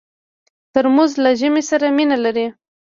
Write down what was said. ترموز له ژمي سره مینه لري.